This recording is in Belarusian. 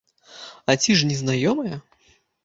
А ці ж незнаёмыя?